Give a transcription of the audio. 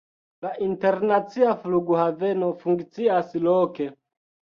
La internacia flughaveno funkcias loke.